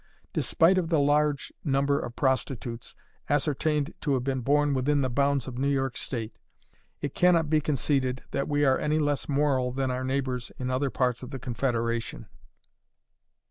Despite of the large number of prostitutes ascertained to have been born within the bounds of New York State, it can not be conceded that we are any less moral than our neighbors in other parts of the confederation.